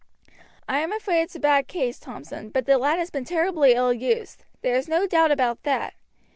"I am afraid it's a bad case, Thompson, but the lad has been terribly ill used, there is no doubt about that.